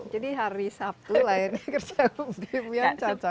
jadi hari sabtu lahir kerja umbi umbian cocok